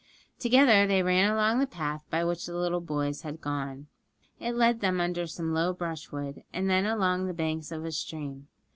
Together they ran along the path by which the little boys had gone. It led them under some low brushwood, and then along the banks of a stream.